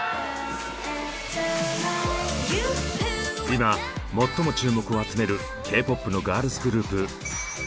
今最も注目を集めるＫ−ＰＯＰのガールズグループＩＶＥ。